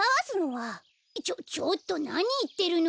ちょちょっとなにいってるの！